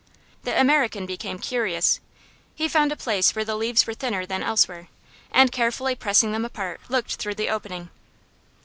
The American became curious. He found a place where the leaves were thinner than elsewhere, and carefully pressing them apart looked through the opening.